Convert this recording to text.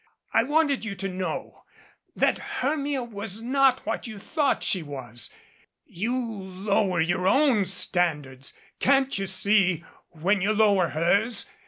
I wanted you to know that Hermia was not what you thought she was. You lower your own standards can't you see j when you lower hers?